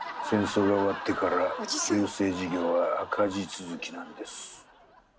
戦争が終わってから郵政事業は赤字続きなんです。